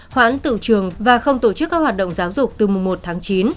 khoản tự trường và không tổ chức các hoạt động giáo dục từ mùa một tháng chín